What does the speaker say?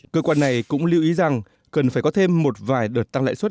cơ quan này cũng lưu ý rằng cần phải có thêm một vài đợt tăng lãi suất